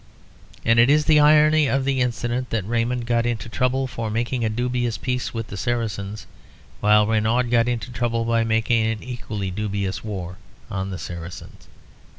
And it is the irony of the incident that Raymond got into trouble for making a dubious peace with the Saracens, while Renaud got into trouble by making an equally dubious war on the Saracens.